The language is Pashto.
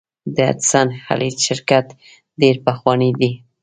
د هډسن خلیج شرکت ډیر پخوانی دی.